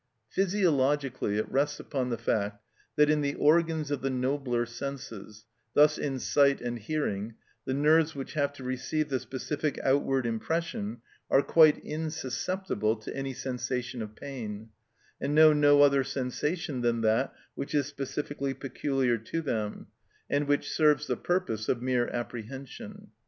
Physiologically it rests upon the fact that in the organs of the nobler senses, thus in sight and hearing, the nerves which have to receive the specific outward impression are quite insusceptible to any sensation of pain, and know no other sensation than that which is specifically peculiar to them, and which serves the purpose of mere apprehension.